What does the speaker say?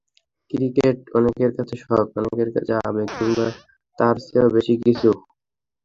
Cricket অনেকের কাছে শখ, অনেকের কাছে আবেগ কিংবা তার চেয়েও বেশি কিছু।